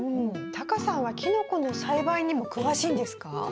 タカさんはキノコの栽培にも詳しいんですか？